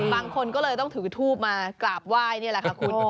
บางคนก็เลยต้องถือทูบมากราบไหว้นี่แหละค่ะคุณ